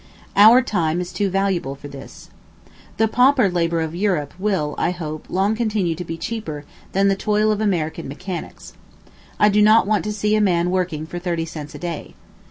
Our time is too valuable for this. The pauper labor of Europe will, I hope, long continue to be cheaper, than the toil of American mechanics. I do not want to see a man working for thirty cents a day.